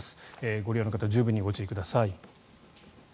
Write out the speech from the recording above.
ご利用の方十分にご注意ください。